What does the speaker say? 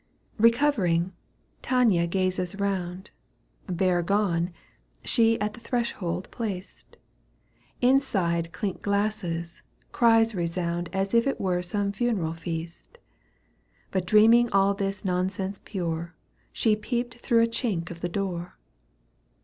Eecovering, Tania gazes round ; Bear gone — she at the threshold placed ; Inside clink glasses, cries resound As if it were some funeral feast. But deeming aU. this nonsense pure, У She peeped through a chink of the door.